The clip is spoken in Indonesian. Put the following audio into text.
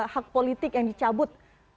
hak politik yang dicabut